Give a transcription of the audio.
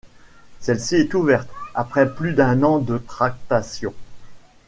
Celle-ci est ouverte, après plus d'un an de tractation.